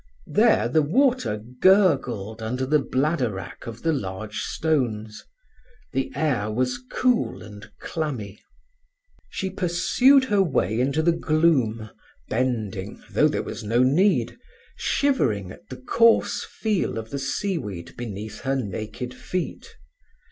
There the water gurgled under the bladder wrack of the large stones; the air was cool and clammy. She pursued her way into the gloom, bending, though there was no need, shivering at the coarse feel of the seaweed beneath her naked feet.